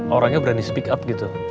orangnya berani speak up gitu